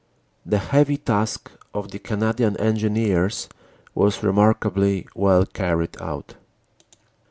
The heavy task of the Canadian Engineers was remarkably well carried out.